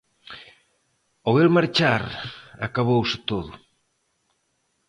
Ao el marchar acabouse todo.